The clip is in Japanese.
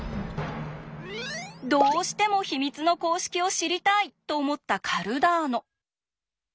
「どうしても秘密の公式を知りたい！」と思ったカルダーノ。